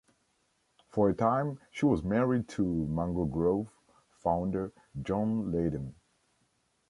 For a time she was married to Mango Groove founder John Leyden.